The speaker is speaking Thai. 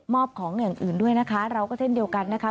อบของอย่างอื่นด้วยนะคะเราก็เช่นเดียวกันนะคะ